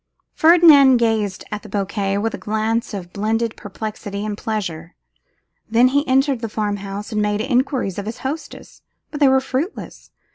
Ferdinand gazed at the bouquet with a glance of blended perplexity and pleasure; then he entered the farmhouse and made enquiries of his hostess, but they were fruitless.